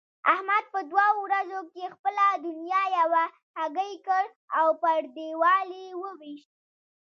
احمد په دوو ورځو کې خپله دونيا یوه هګۍکړ او پر دېوال يې وويشت.